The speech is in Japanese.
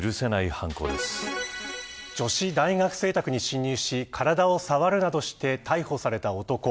女子大学生宅に侵入し体を触るなどして逮捕された男。